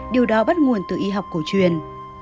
điều đó bắt nguồn từ y học cổ truyền